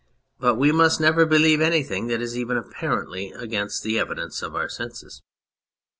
But we must never believe anything that is even apparently against the evidence of our senses.